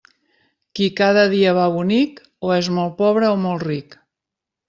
Qui cada dia va bonic, o és molt pobre o molt ric.